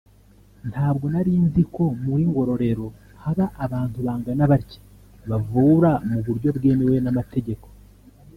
ntabwo narinzi ko muri Ngororero haba abantu bangana batya bavura mu buryo bwemewe n’amategeko